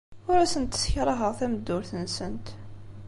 Ur asent-ssekṛaheɣ tameddurt-nsent.